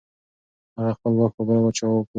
هغه خپل واک په بل چا وپلوره.